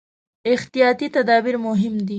احتیاطي تدابیر مهم دي.